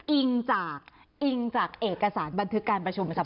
อิงจากเอกสารบันทึกการประชุมทรัพย์